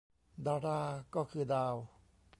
ดาราก็คือดาว